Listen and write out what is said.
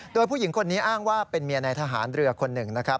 โดยผู้หญิงคนนี้อ้างว่าเป็นเมียในทหารเรือคนหนึ่งนะครับ